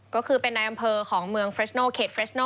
ก็คือเป็นในอำเภอของเมืองเฟรชโนเขตเรสโน